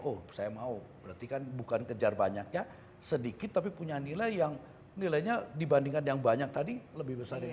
oh saya mau berarti kan bukan kejar banyaknya sedikit tapi punya nilai yang nilainya dibandingkan yang banyak tadi lebih besar dari